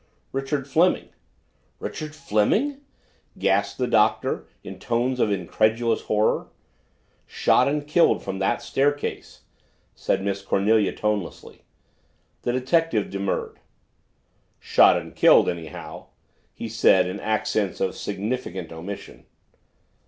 "Richard Fleming." "Richard Fleming?" gasped the Doctor in tones of incredulous horror. "Shot and killed from that staircase," said Miss Cornelia tonelessly. The detective demurred. "Shot and killed, anyhow," he said in accents of significant omission.